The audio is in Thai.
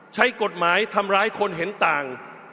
ใช้กฎหมายทำร้ายคนเห็นต่าง